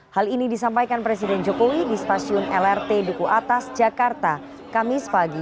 hal ini disampaikan presiden jokowi di stasiun lrt duku atas jakarta kamis pagi